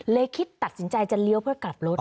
คิดตัดสินใจจะเลี้ยวเพื่อกลับรถ